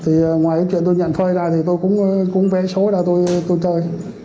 thì ngoài cái chuyện tôi nhận phơi ra thì tôi cũng vẽ số ra tôi chơi